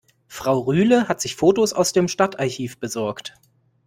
Frau Rühle hat sich Fotos aus dem Stadtarchiv besorgt.